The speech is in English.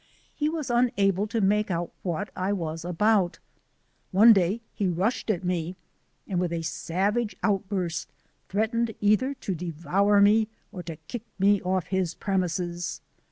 He was unable to make out what I was about. One day he rushed at me and with a savage outburst threatened either to devour me or to kick me off his premises.